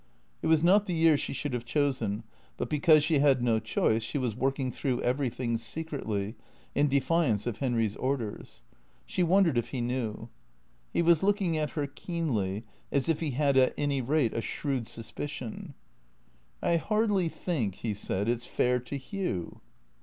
It was not the year she should have chosen, but because she had no choice she was working through everything, secretly, in defiance of Henry's orders. She wondered if he knew. He was looking at her keenly, as if he had at any rate a shrewd suspicion. " I hardly think," he said, " it 's fair to Hugh."